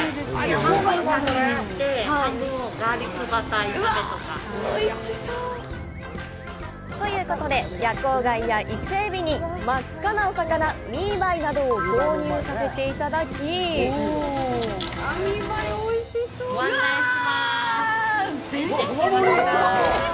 半分、刺身にして、半分をうわぁ、おいしそう！ということで、夜光貝やイセエビに真っ赤なお魚、ミーバイなどを購入させていただきうわぁ、ぜいたく！